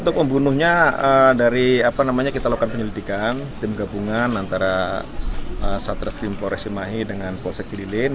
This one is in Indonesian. ketika diperlukan penyelidikan tim gabungan antara satreslim polresimahi dengan polsekirilin